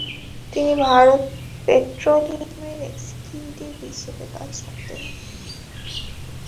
তিনি ভারত পেট্ররোলিয়ামের এক্সিকিউটিভ হিসেবে কাজ করতেন।